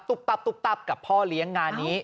ตับตุ๊บตับกับพ่อเลี้ยงงานนี้